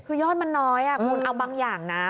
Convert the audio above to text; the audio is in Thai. คือยอดมันน้อยคุณเอาบางอย่างนะ